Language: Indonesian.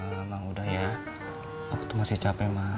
mama udah ya aku tuh masih capek ma